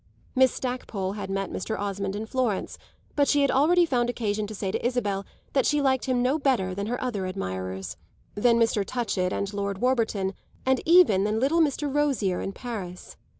Miss Stackpole had met Mr. Osmond in Florence, but she had already found occasion to say to Isabel that she liked him no better than her other admirers than Mr. Touchett and Lord Warburton, and even than little Mr. Rosier in Paris.